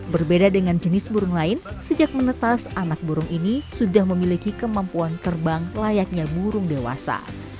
berbeda dengan jenis burung lain sejak menetas anak burung ini sudah memiliki kemampuan terbang layaknya burung dewasa